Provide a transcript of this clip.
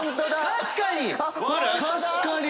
確かに！